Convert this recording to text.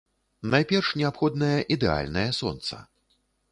Найперш неабходнае ідэальнае сонца.